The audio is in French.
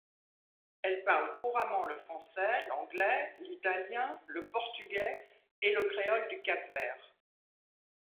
Elle parle couramment le français, l'anglais, l'italien, le portugais et le créole du Cap-vert.